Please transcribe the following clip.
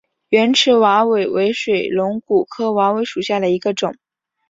圆齿瓦韦为水龙骨科瓦韦属下的一个种。